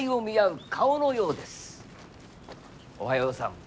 「おはようさん。